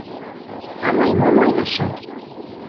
— А мый мом ойлышым!